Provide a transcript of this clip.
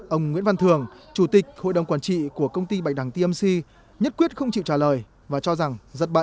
ông nguyễn văn thường chủ tịch hội đồng quản trị của công ty bạch đằng tmc nhất quyết không chịu trả lời và cho rằng rất bậ